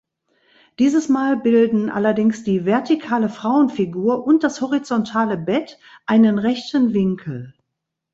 Dieses Mal bilden allerdings die vertikale Frauenfigur und das horizontale Bett einen rechten Winkel.